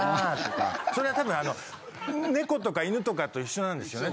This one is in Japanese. それはたぶん猫とか犬とかと一緒なんですよね。